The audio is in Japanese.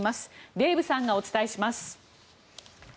デーブさんがお伝えします。